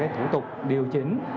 thủ tục điều chỉnh